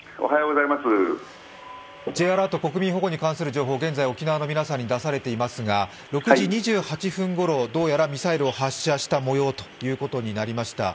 Ｊアラート、国民保護に関する情報、現在、沖縄の皆さんに出されていますが、６時２８分ごろどうやらミサイルを発射した模様という発表がありました。